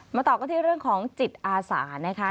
ต่อกันที่เรื่องของจิตอาสานะคะ